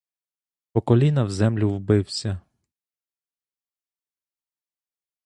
По коліна в землю вбився.